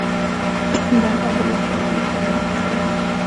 دا انتخاب د لویې سټراټیژۍ په چوکاټ کې ترسره کیږي.